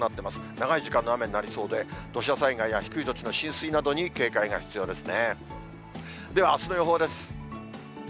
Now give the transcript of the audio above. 長い時間の雨になりそうで、土砂災害や低い土地の浸水などに警戒が必要ですね。